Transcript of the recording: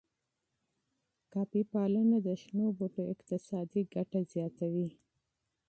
کافی پالنه د شنو بوټو اقتصادي ګټه زیاتوي.